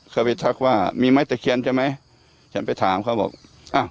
เคยไปทักว่ามีไม้ตะเคียนใช่ไหมฉันไปถามเขาบอกอ้าว